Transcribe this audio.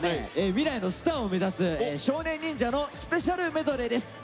未来のスターを目指す少年忍者のスペシャルメドレーです。